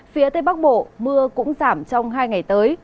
phía tây bắc bộ mưa cũng giảm trong hai ngày tới